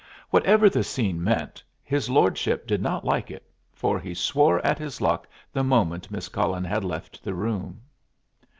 Whatever the scene meant, his lordship did not like it, for he swore at his luck the moment Miss Cullen had left the room.